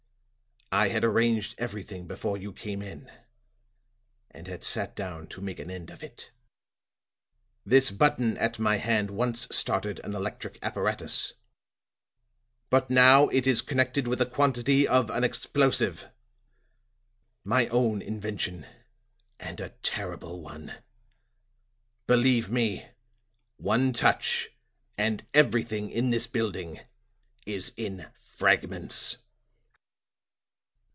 I had arranged everything before you came in, and had sat down to make an end of it. This button at my hand once started an electric apparatus; but now it is connected with a quantity of an explosive my own invention, and a terrible one. Believe me, one touch and everything in this building is in fragments."